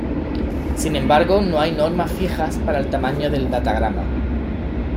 Sin embargo no hay normas fijas para el tamaño del datagrama.